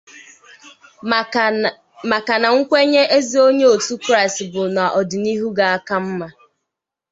maka na nkwenye ezi onye otu Kraịst bụ na ọdịnihu ga-aka mma.